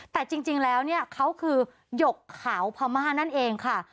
แต่จริงแล้วเนี่ยเขาคือหยกขาวพม่านั่นเองค่ะ